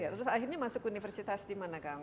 terus akhirnya masuk universitas di mana kang